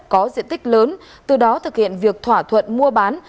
có diện tích lớn từ đó thực hiện việc thỏa thuận mua bán